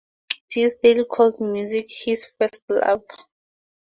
Tisdale called music his "first love".